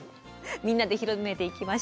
みんなで広めていきましょう！